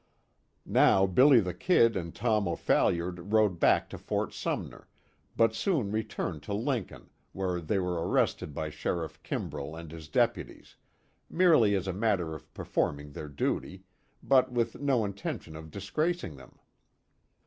Now "Billy the Kid" and Tom O'Phalliard rode back to Fort Sumner, but soon returned to Lincoln, where they were arrested by Sheriff Kimbrall and his deputies merely as a matter of performing their duty, but with no intention of disgracing them.